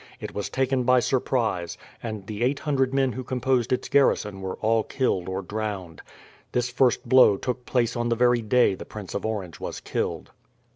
It was taken by surprise, and the eight hundred men who composed its garrison were all killed or drowned. This first blow took place on the very day the Prince of Orange was killed.